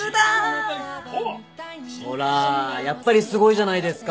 ほらやっぱりすごいじゃないですか。